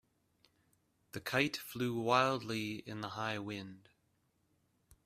The kite flew wildly in the high wind.